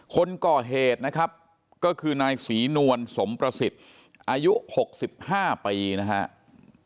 คนก่อเหตุนะครับก็คือนายศรีนวลสมประสิทธิ์อายุ๖๕ปีนะครับ